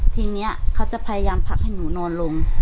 ทีนี้เขาจะพยายามผลักให้หนูนอนลง